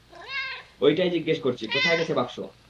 ঐটাই জিজ্ঞেস করছি, কোথায় গেছে বাক্স?